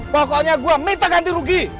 pokoknya gue minta ganti rugi